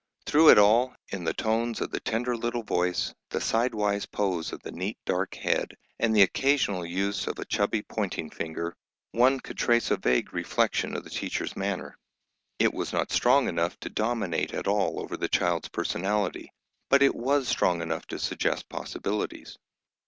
Through it all, in the tones of the tender little voice, the sidewise pose of the neat dark head, and the occasional use of a chubby pointing finger, one could trace a vague reflection of the teacher's manner. It was not strong enough to dominate at all over the child's personality, but it was strong enough to suggest possibilities.